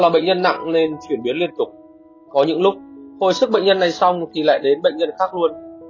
bệnh nhân nặng lên chuyển biến liên tục có những lúc hồi sức bệnh nhân này xong thì lại đến bệnh nhân khác luôn